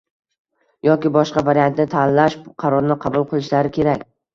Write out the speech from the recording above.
yoki boshqa variantni tanlash qarorini qabul qilishlari kerak.